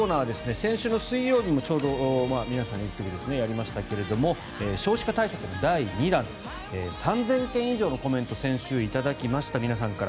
先週の水曜日にもちょうど皆さんがいる時にやりましたが少子化対策の第２弾３０００件以上のコメントを先週、頂きました皆さんから。